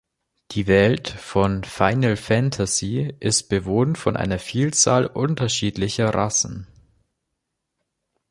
Die Welt von Final Fantasy ist bewohnt von einer Vielzahl unterschiedlicher Rassen.